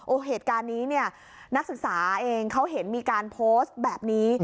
โอ้โหเหตุการณ์นี้เนี่ยนักศึกษาเองเขาเห็นมีการโพสต์แบบนี้